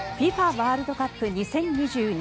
ワールドカップ２０２２